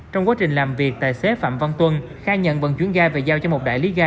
trong quá trình làm việc tài xế phạm văn tuân khai nhận vận chuyển gai và giao cho một đại lý ga